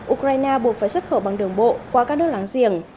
ukraine buộc phải xuất khẩu bằng đường bộ qua các nước láng giềng